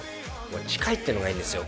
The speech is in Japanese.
近いっていうのがいいんですよ